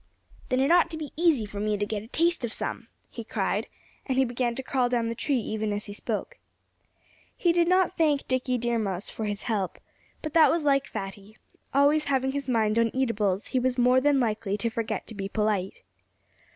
"Then it ought to be easy for me to get a taste of some," he cried. And he began to crawl down the tree even as he spoke. He did not thank Dickie Deer Mouse for his help. But that was like Fatty. Always having his mind on eatables, he was more than likely to forget to be polite.